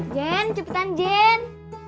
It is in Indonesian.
jen cepetan jen